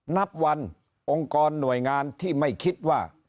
นับวันองค์กรหน่วยงานที่ไม่คิดว่า